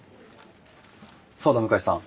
そうだ向井さん。